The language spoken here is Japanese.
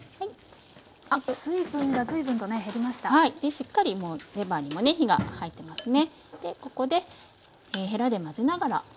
しっかりもうレバーにもね火が入っていますね。